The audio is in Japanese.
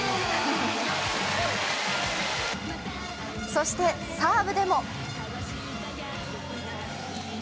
そして、サーブでも。